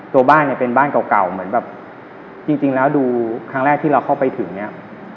ตัวบ้านเนี่ยเป็นบ้านเก่าเหมือนแบบจริงแล้วดูครั้งแรกที่เราเข้าไปถึงเนี่ย